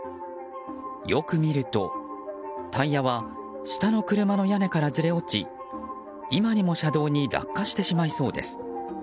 よく見ると、タイヤは下の車の屋根からずれ落ち今にも車道に落下してしまいそうです。